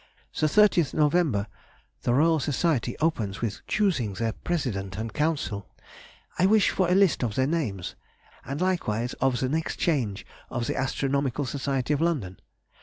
The 30th November the Royal Society opens with choosing their President and Council; I wish for a list of their names, and likewise of the next change of the Astronomical Society of London.